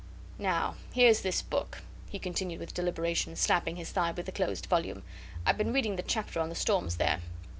"Now, here's this book," he continued with deliberation, slapping his thigh with the closed volume. "I've been reading the chapter on the storms there."